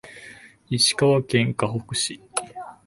石川県かほく市